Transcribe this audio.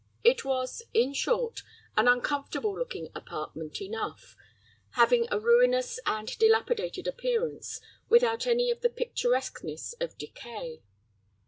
It was, in short, an uncomfortable looking apartment enough, having a ruinous and dilapidated appearance, without any of the picturesqueness of decay.